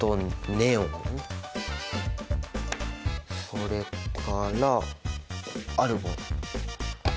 それからアルゴン。